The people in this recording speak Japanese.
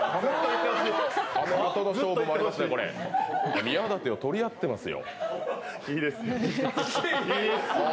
宮舘を撮り合ってますよ。